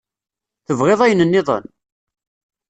Tebɣiḍ ayen nniḍen?